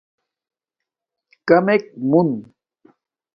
کمک مون